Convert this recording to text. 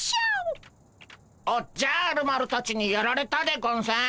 おっじゃる丸たちにやられたでゴンス。